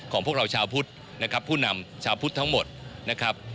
พวกเราชาวพุทธนะครับผู้นำชาวพุทธทั้งหมดนะครับ